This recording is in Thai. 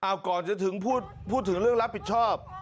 เอาก่อนจะถึงพูดถึงเรื่องรับผิดชอบ